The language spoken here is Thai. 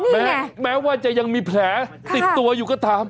นี่เนี่ยแม้ว่าจะยังมีแผลติดตัวอยู่ก็ทำ